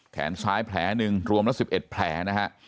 แขนซ้ายแผล๑รวมละ๑๑แผล